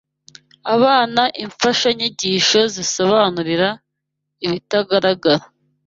abana imfashanyigisho zibasobanurira ibitagaragara